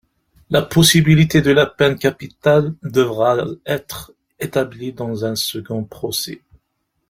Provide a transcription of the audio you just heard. La possibilité de la peine capitale devra être établie dans un second procès.